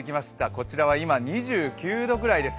こちらは今、２９度くらいです。